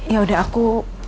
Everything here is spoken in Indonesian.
ya udah aku